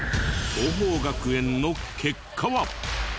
桐朋学園の結果は？